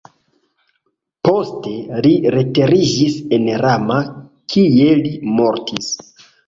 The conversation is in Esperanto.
Poste li retiriĝis en Rama kie li mortis.